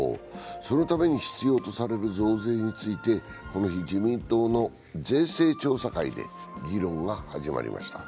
そのために必要とされる増税についてこの日、自民党の税制調査会で議論が始まりました。